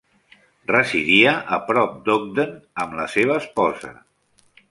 Residia a prop d'Ogden amb la seva esposa.